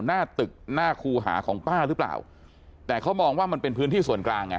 หน้าตึกหน้าครูหาของป้าหรือเปล่าแต่เขามองว่ามันเป็นพื้นที่ส่วนกลางไง